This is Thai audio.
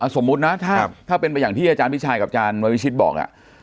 สมมุตินะถ้าเป็นไปอย่างที่อาจารย์พี่ชายกับอาจารย์วันวิชิตบอก